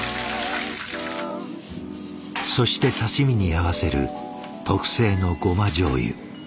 そして刺身に合わせる特製のゴマじょうゆ。